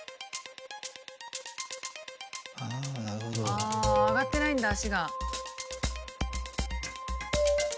ああ上がってないんだ足が。